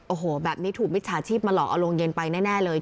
โอ้โหแบบนี้ถูกมิจฉาชีพมาหลอกเอาโรงเย็นไปแน่เลย